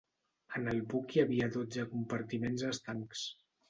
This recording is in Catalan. En el buc hi havia dotze compartiments estancs.